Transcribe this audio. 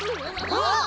あっ！